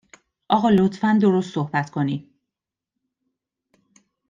آقا لطفاً درست صحبت کنین